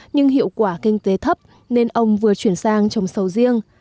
nhưng hiệu quả kinh tế thấp nên ông vừa chuyển sang trồng sầu riêng